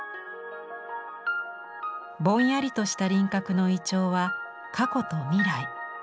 ぼんやりとした輪郭のイチョウは過去と未来。